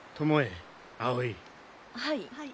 はい。